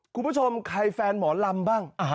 คุณผู้ชมใครแฟนหมอลำบ้าง